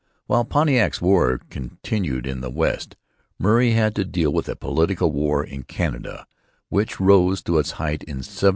While Pontiac's war continued in the West Murray had to deal with a political war in Canada which rose to its height in 1764.